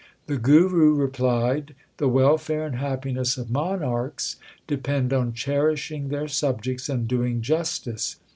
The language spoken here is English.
The Guru replied, The welfare and happiness of monarchs depend on cherishing their subjects and doing justice.